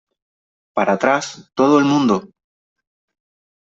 Para atrás , todo el mundo .